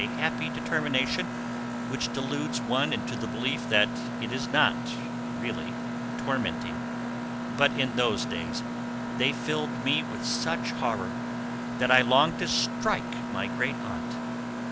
happy determination which deludes one into the belief that it is not, really, tormenting; but in those days they filled me with such horror that I longed to strike my great aunt.